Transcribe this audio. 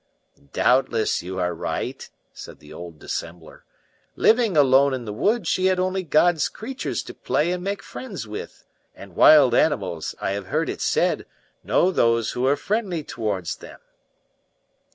"Doubtless you are right," said the old dissembler. "Living alone in the wood, she had only God's creatures to play and make friends with; and wild animals, I have heard it said, know those who are friendly towards them."